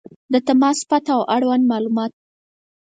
• د تماس پته او اړوند معلومات